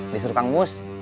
disuruh kang mus